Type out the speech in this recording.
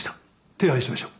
手配しましょう。